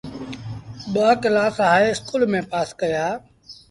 ٻآ ڪلآس هآئي اسڪول ميݩ پآس ڪيآ۔